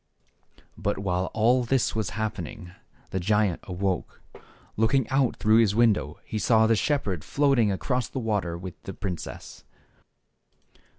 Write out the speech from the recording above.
But while all this was happening the giant THE SHEPHEBD BOY. 73 awoke. Looking out through his window, he saw the shepherd floating across the water with the princess.